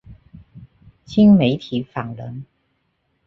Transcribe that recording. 新媒体法人